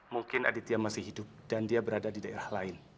mungkin aditya masih hidup dan dia berada di daerah lain